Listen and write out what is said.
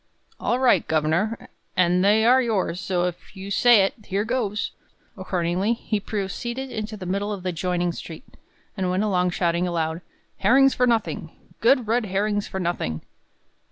"All right, governor, an' they are yours; so if you say it, here goes!" Accordingly, he proceeded into the middle of the adjoining street, and went along, shouting aloud: "Herrings for nothing! Good red herrings for nothing!"